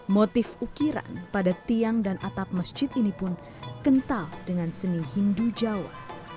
motif ukiran pada tiang dan atap masjid ini pun kental dengan seni hindu jawa